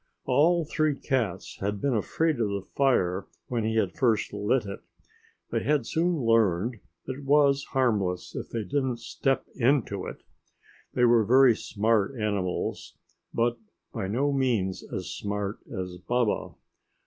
All three cats had been afraid of the fire when he had first lit it. They had soon learned it was harmless if they didn't step into it. They were very smart animals, but by no means as smart as Baba.